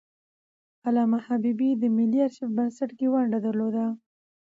علامه حبيبي د ملي آرشیف بنسټ کې ونډه درلودله.